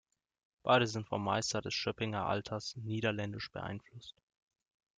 Beide sind vom Meister des Schöppinger Altars niederländisch beeinflusst.